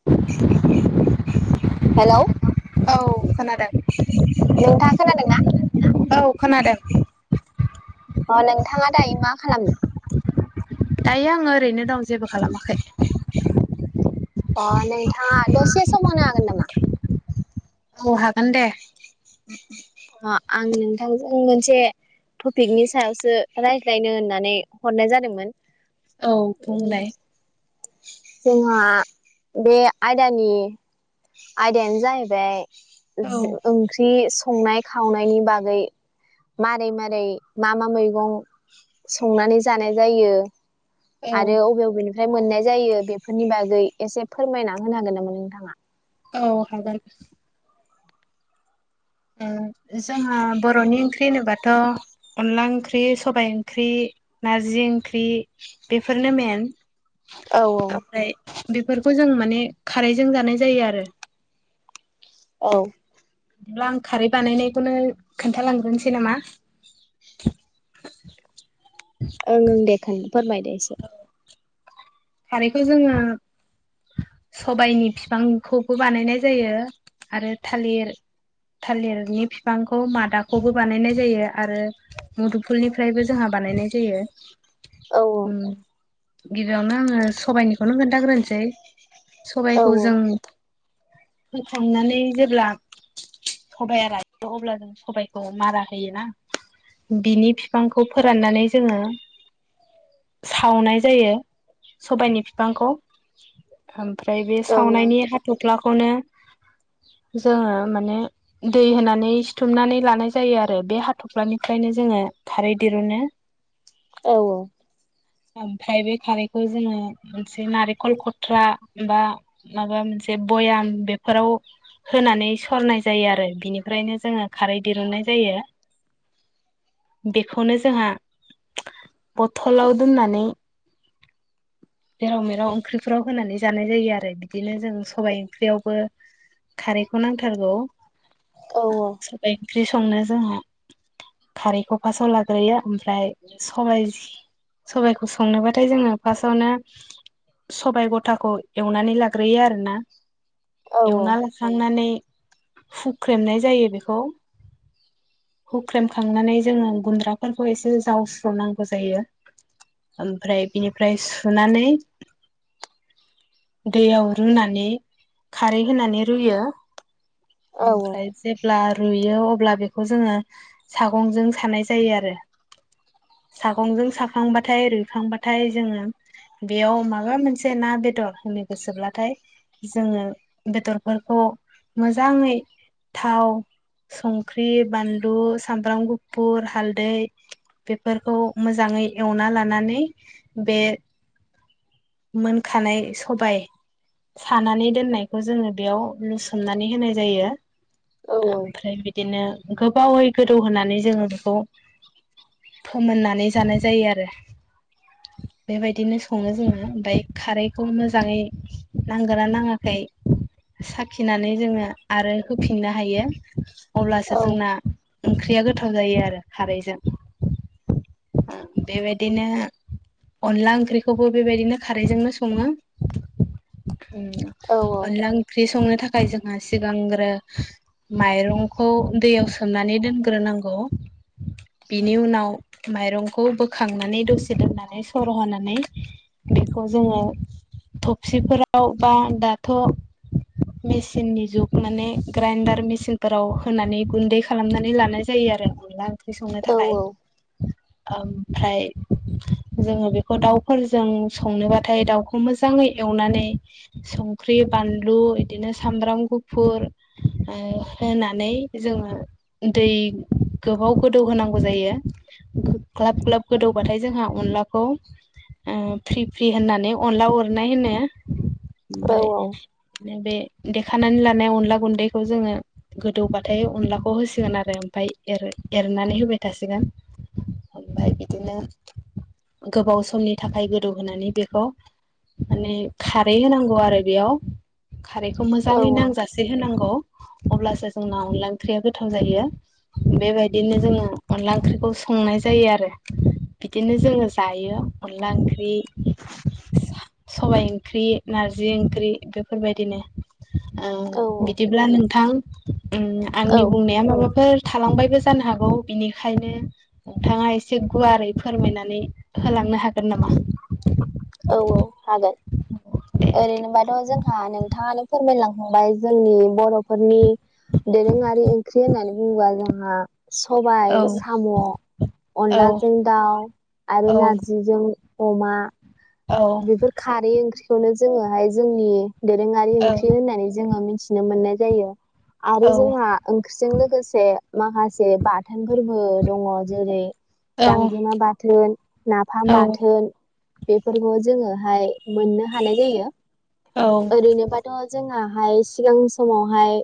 [unintelligible] Hello औ खोनादों नोंथाङा खोनादों ना? औ खोनादों अ नोंथाङा दायो मा खालामदों? दायो आङो ओरैनो दं जेबो खालामाखै अ नोंथाङा दसे समावनो हागोन नामा? औ हागोन दे। अ आं नोंथांजों मोनसे टपिकनि सायावसो रायज्लायनो होननानै हरनाय जादोंमोन। औ बुंनाय जोंआ बे आयदानि आयदायानो औ जाहैबाय ओंख्रि संनाय खावनायनि बागै मारै मारै मा मा मैगं संनानै जानाय जायो औ आरो अबे अबेनिफ्राय मोननाय जायो बेफोरनि बागै एसे फोरमायना होनो हागोन नामा नोंथाङा? औ हागोन ओ जोंहा बर'नि ओंख्रि होनोबाथ' अनला ओंख्रि सबाय ओंख्रि नारजि ओंख्रि बेफोरनो मेन औ औ ओमफ्राय बेफोरखौ जों माने खारैजों जानाय जायो आरो औ ब्ला आं खारै बानायनायखौनो खोन्थालांग्रोनोसै नामा ओं ओ दे फोरमायदो एसे खारैखौ जोङो सबायनि फिफांखौबो बानायनाय जायो आरो थालिर थालिरनि बिफांखौ मादाखौबो बानायनाय जायो आरो मुदुमफुलनिफ्रायबो जोंहा बानायनाय जायो औ उम गिबियावनो आङो सबायाइनिखौनो खोन्थाग्रोनोसै औ सबायखौ जों फोखांनानै जेब्ला सबाया रायो अब्ला जों सबाइखौ मारा होयो ना बिनि बिफांखौ फोराननानै जोङो सावनाय जायो सबाइनि बिफांखौ ओमफ्राय बे औ सावनायनि हाथ'ख्लाखौनो जोङो माने दै होनानै सिथुमनानै लानाय जायो आरो बे हाथ'फ्लानिफ्रायनो जोङो खारै दिरुनो औ औ ओमफ्राय बे खारैखौ जोङो मोनसे नारेखल खल थ्रा बा माबा मोनसे भयाम बेफोराव होनानै सरनाय जायो आरो बिनिफ्रायनो जोङो खारै दिरुननाय जायो बेखौनो जोंहा बथलाव दोननानै जेराव मेराव ओंख्रि बेफ्राव होनानै जानाय जायो आरो बिदिनो जों सबाइ ओंख्रियावबो खारैखौ नांथारगौ ओं औ सबाय ओंख्रि संनो जोंहा खारैखौ फास्टाव लाग्रोयो ओमफ्राय सबाय सबायखौ संनोबाथाय जोङो फार्स्टआवनो सबायाइ गथाखौ एवनानै लाग्रोयो आरो ना औ एवना सुखांनानै हुख्रेमनाय जायो बेखौ हुख्रेमखांनानै जोङो गुन्द्राफोरखौ एसे जावस्र'नांगौ जायो ओमफ्राय बिनिफ्राय सुनानै दैयाव रुनानै खारै होनानै रुयो औ ओमफ्राय जे अब्ला रुयो अब्ला बेखौ जोङो सागंजों सानाय जायो आरो सागंजों साखांबाथाय रुइखांबाथाय जोङो बेयाव माबा मोनसे मोनसे ना बेदर होनो गोसोब्लाथाय जोङो बेदरफोरखौ मोजाङै थाव संख्रि बानलु सामब्राम गुफुर हालदै बेफोरखौ मोजाङै एवना लानानै बे मोनखानाय सबाय सानानै दोननायखौ जोङो बेयाव लुसोमनानै होनाय जायो औ ओमफ्राय बिदिनो गोबावै गोदौ होनानै जोङो बेखौ [inaudible] फोमोननानै जानाय जायो आरो बेबायदिनो सङो जोङो ओमफाय खारैखौ मोजाङै नांगोना नाङाखै साखिनानै जोङो आरो होफिननो हायो औ अब्लासो जोंना ओंख्रिया गोथाव जायो आरो खारैजों बेबायदिनो अनला ओंख्रिखौबो बेबायदिनो खारैजोंनो सङो औ औ अनला ओंख्रि संनो थाखाय खायजोंङास गांग्रो माइरंखौ दैयाव सोमनानै दोनग्रोनांगौ बिनि उनाव माइरंखौ बोखांनानै दसे दोननानै सर' होनानै बेखौ जोङो थबसिफोराव बा दाथ' मेचिननि जुग माने ग्राइन्दार मेचिनफोराव होनानै गुन्दै खालामनानै लानाय जायो आरो अनला ओंख्रि संनो थाखाय ओमफ्राय जोङो बेखौ दाउफोरजों संनोबाथाय दाउखौ मोजाङै एवनानै संख्रि बानलु बिदिनो सामब्राम गुफुर होनानै जोङो दै गोबाव गोदौ होनांगौ जायो ग्लाब ग्लाब गोदौबाथाय जोंहा अनलाखौ फ्रि फ्रि होननानै अनला उरनाय होनो ओमफ्राय बिदिनो बे देखानानै लानाय अनला गुन्दैखौ जोङो गोदौबाथाय अनलाखौ होसिगोन आरो ओमफ्राय एरनानै होबाय थासिगोन ओमफ्राय बिदिनो गोबाव समनि थाखायबो गोदौ होनानै बेखौ माने खारै होनांगौ आरो बेयाव खारैखौ मोजाङै नांजासे होनांगौ अब्लासो जोंना अनला ओंख्रिया गोथाव जायो बेबायदिनो जोङो अनला ओंख्रिखौ संनाय जायो आरो बिदिनो जोङो जायो अनला ओंख्रि सबायाइ ओंख्रि नारजि ओंख्रि बेफोरबायदिनो औ बिदिब्ला नोंथां औ आंनि बुंनाय माबाफोर थालांबायबो जानो हागौ बिनिखायनो नोंथाङा एसे गुवारै फोरमायनानै होलांनो हागोन नामा औ औ हागोन दे ओरैनोबाथ' जोंहा नोंथाङानो फोरमायलांखांबाय जोंनि बर'फोरनि दोरोङारि ओंख्रि होननानै बुंंबा जोंहा सबाय औ साम' औ अनलाजों दाउ आरो औ नारजिजों अमा औ बेफोर खारै ओंख्रिखौनो जोङोहाय जोंनि दोरोङारि औ ओंख्रि होननानै जोङो मिथि नो मोननाय जायो आरो जोंहा ओंख्रिजों लोगोसे माखासे बाथोनफोरबो दङ जेरै औ गांजोमा बाथोन नाफाम बाथोन बेफोरखौ जोङोहाय मोननो हानाय जायो औ ओरैनोबाथ' जोंहा हाय सिगां समावहाय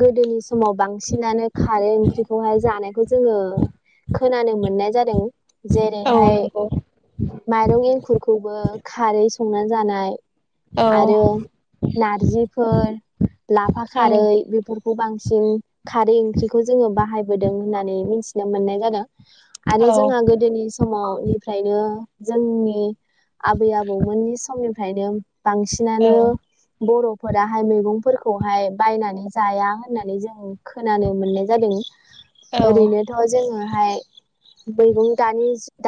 गोदोनि समाव बांसिनानो खारै ओंख्रिखौहाय जानायखौ जोङो खोनानो मोननाय जादों औ जेरैहाय नंगौ माइरं एंखुरखौबो खारै संना जानाय औ आरो नारजिफोर लाफा औ खारै बेफोरखौ बांसिन खारै ओंख्रिखौ जोङो बाहायबोदों होननानै मिथिनो मोननाय जादों आरो जोंहा गोदोनि समावनिफ्रायनो जोंनि आबै आबौमोननि समनिफ्रायनो औ बांसिनानो बर'फोराहाय मैगंफोरखौहाय बायनानै जाया होननानै जों खोनानो मोननाय जादों औ ओरैनोथ' जोङोहाय मैगं द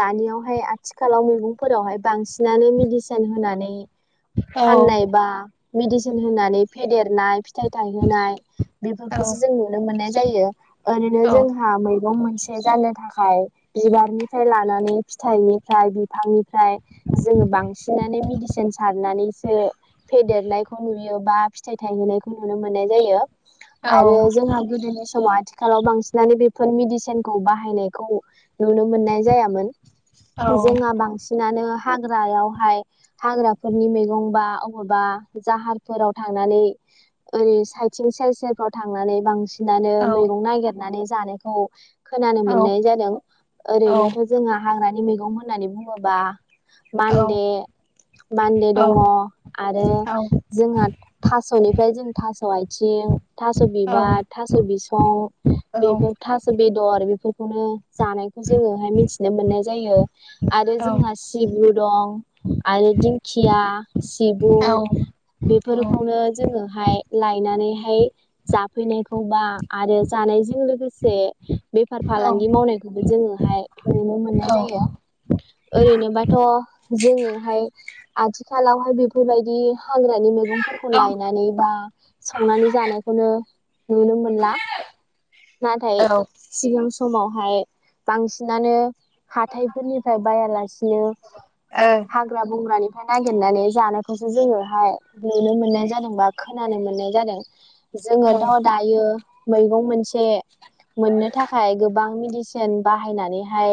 दानियावहाय आ आथिखालाव मैगंफोरावहाय बांसिनानो मेडिसिन होनानै औ फाननाय बा मेडिसिन होनानै फेदेरनाय फिथाइ थायहोनाय बेफोरखौसो औ जों नुनो मोननाय जायो ओरैनो औ जोंहा मैगं मोनसे जानो थाखाय बिबारनिफ्राय लानानै फिथाइ फ्राय बिफांनिफ्राय जोङो बांसिनानो मेडिसिन सारनानैसो फेदेरनायखौ नुयो बा फिथाइ थायहोनायखौ नुनो मोननाय जायो आरो जोंहा गोदोनि समाज खालाव बांसिनानो बेफोर मेडिसिनखौ बाहायनायखौ नुनो मोननाय जायामोन जोंहा बांसिनानो हाग्रायावहाय हाग्राफोरनि मैगं बा अबावबा जाहारफोराव थांनानै ओरै साइथिं सेर सेरफ्राव थांनानै बांसि नानो मैगं नागिरनानै जानायखौ खोनानो मोननाय जादों ओरैनोथ' जोंहा हाग्रानि मैगं होननानै बुंङोबा मान्दे मान्दे दंङो आरो जोंहा थास'निफ्राय जों थास' आथिं थास' बिबार थास' बिसं औ बेफोर थास' बेदर बेफोरखौनो जानायखौ जोंङोहाय मिथिनो मोननाय जायो आरो जोंहा सिब्रु दं आरो दिंखिया सिबुं बेफोरखौनो जोंङोहाय लायनानैहाय जाफैनायखौबा आरो जानायजों लोगोसे बेफार फालांगि मावनायखौबो जोंङोहाय नुनो मोननाय जायो ओरैनोबाथ' जोङोहाय आथिखालावहाय बेफोरबायदि हाग्रानि मैगं फोरफोरखौ लायनानै बा संनानै जानायखौनो नुनो मोनला नाथाय सिगां समावहाय बांसिनानो हाथायफोरनिफ्राय बायालासिनो ओ हाग्रा बंग्रानिफ्राय नागिरनानै जानायखौसो जोंङोहाय नुनो मोननाय जादोंबा खोनानो मोननाय जादों जोंङो दाउ दायो मैगं मोनसे मोननो थाखाय गोबां मेडिसि सेन बाहायनानैहाय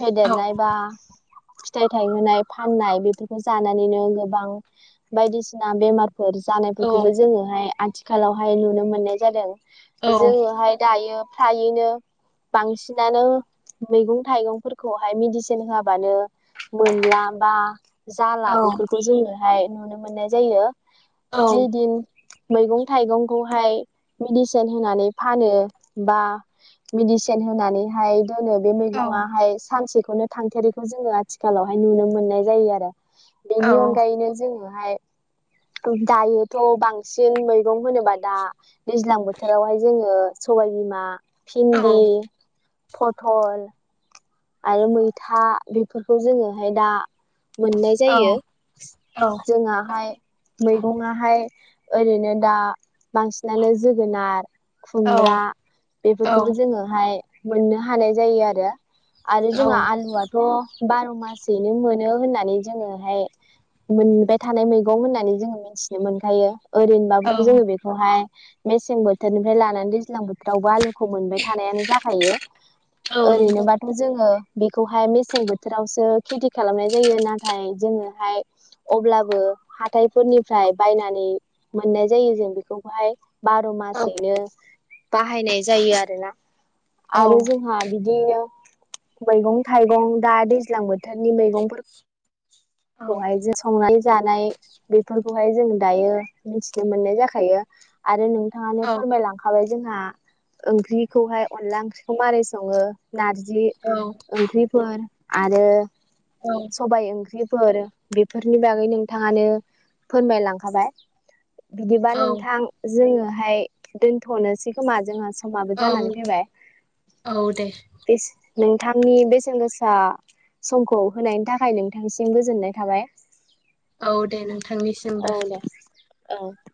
फेदेरनाय बा फिथाइ थायहोनाय फाननाय बेफोरखौ जानानैनो गोबां बायदिसिना बेमार फोर जानायफोरखौबो जोंङोहाय आथिखालावहाय नुनो मोननाय जादों जोंङोहाय दायो फ्रायैनो बांसिनानो मैगं थाइगंफोर खौहाय मेदिसिन होआबानो मोनला बा जाला बेफोरखौ जोंङो फाय नुनो मोननाय जायो जि दिन मैगं थाइगंखौहाय मेडिसिन होनानै फानो बा मेडिसिन होनानैहाय दोनो बे मैगंआ हाय सानसेखौनो थांथेरैखौ जोंङो आथिखालावहाय नुनो मोननाय जायो आरो बेनि औ औ अनगायैनो जोंङो आमाफाय दायोथ' बांसिन मैगं होनोबा दा दैज्लां बोथोरावहाय जोंङो सबायबिमा औ भिन्दि फ'टल आरो मैथा बेफोरखौ जोंङोहाय दा मोननाय नंगौ औ जायो औ जोंहाय मैगंङाहाय ओरैनो दा बांसिनानो जोगोनार खुमब्रा औ बेफोरखौबो जोंङोहाय मोननो हानाय जायो आरो आरो औ जोंहा आलुआथ' बार' मासयैनो मोनो होननानै जोङोहाय मोनबाय थानाय मैगं होननानै जोंङो मोनथिनो मोनखायो ओरैनोबाबोथ' जोंङो बेखौहाय मेसें बोथोरनिफ्राय लानानै दैज्लां बोथ [unintelligible] रावबो आलुखौ मोनबाय थानायानो जाखायो ओरैनोबा जोंङो बेखौहाय मेसें बोथोरावसो खेथि खालामनाय जायो नाथाय जोंङोहाय अब्लाबो हाथायफोरनिफाय बायनानै मोननाय जायो जों बेखौहाय बार' मासैनो बाहायनाय जायो आरोना आरो जों जोंहा बिदिनो मैगं थाइगं दा दैज्लां बोथोरनि मैगं [inaudible] खौहाय संनानै जानाय बेफोरखौहाय जों दायो मिथिनो मोननाय जाखायो आरो नोंथाङानो फोरमायलांखा हाबाय जोंहा ओंख्रिखौहाय अनला ओंख्रिखौ माबारै सङो नारजि ओंख्रिफोर आरो औ सबाय ओंख्रिफोर बेफोरनि बागै नोंथाङानो फोरमाय लांखाबाय बिदिबा नोंथां जोङोहाय दोनथ'नोसै खोमा जोंहा सम समाबो जानानै औ फैबाय औ दे बे नोंथांनि बेसेन गोसा समखौ होनायनि थाखाय नोंथांसिम गोजोननाय थाबाय औ दे औ नोंथांनिसिमबो दे औ